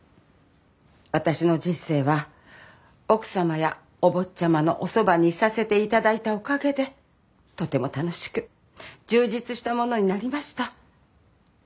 私の人生は奥様やお坊ちゃまのおそばにいさせていただいたおかげでとても楽しく充実したものになりました。